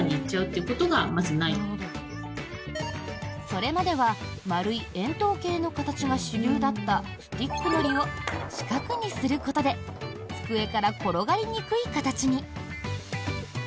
それまでは丸い円筒形の形が主流だったスティックのりを四角にすることで机から転がりにくい形に。